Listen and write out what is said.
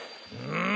うん？